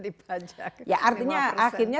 dipajak ya artinya akhirnya